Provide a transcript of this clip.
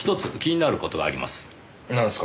なんすか？